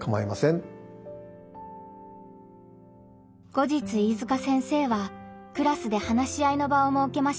後日飯塚先生はクラスで話し合いの場をもうけました。